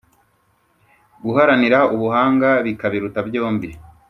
guharanira ubuhanga bikabiruta byombi.